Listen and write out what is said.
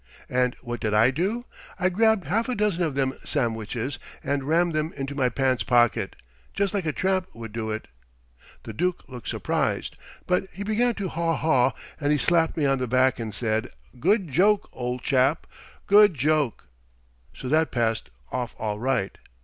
And what did I do? I grabbed half a dozen of them samwiches and rammed them into my pants pocket, just like a tramp would do it. The Dook looked surprised, but he begun to haw haw, and he slapped me on the back and said, 'Good joke, ol' chap, good joke!' So that passed off all right.